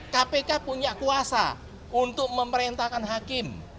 kpk punya kuasa untuk memerintahkan hakim